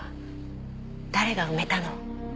誰が埋めたの？